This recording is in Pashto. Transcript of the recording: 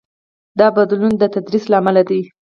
دا بدلون د تدریس له امله دی.